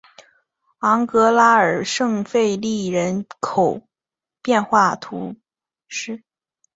昂格拉尔圣费利人口变化图示